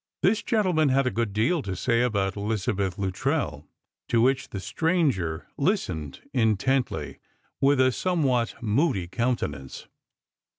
This gentleman had a good deal to say about Elizabeth Lnttrcll, to which the stranger listened intently, with a bomewhat moody countenance.